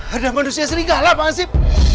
ada manusia serigala pak hansip